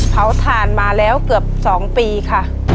ถ่านมาแล้วเกือบ๒ปีค่ะ